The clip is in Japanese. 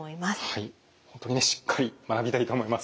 はい本当にねしっかり学びたいと思います。